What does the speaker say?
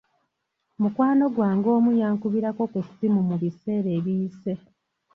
Mukwano gwange omu yankubirako ku ssimu mu biseera ebiyise.